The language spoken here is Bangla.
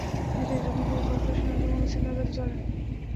দেখা যায়, দক্ষিণ সিটি করপোরেশন এলাকায় কোনো সিগন্যাল বাতি জ্বলে না।